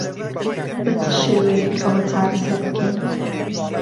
بە چ شێوەیەک ئەوە چارەسەر بکەین؟